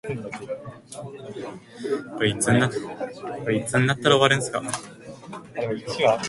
雨が降りそうな空ですね。